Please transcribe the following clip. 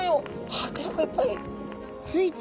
迫力いっぱい。